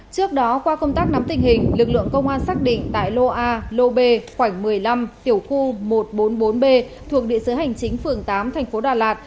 trước đó qua công tác nắm tình hình lực lượng công an xác định tại lô a lô b khoảnh một mươi năm tiểu khu một trăm bốn mươi bốn b thuộc địa sứ hành chính phường tám thành phố đà lạt